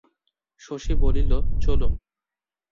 শশী বলিল, চলুন।